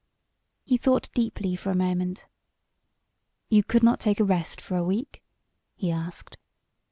He thought deeply for a moment. "You could not take a rest for a week?" he asked.